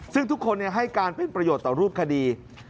ซึ่งทุกคนให้การเป็นประโยชน์ต่อรูปคดี